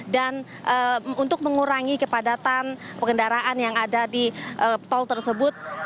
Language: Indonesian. dan untuk mengurangi kepadatan kendaraan yang ada di tol tersebut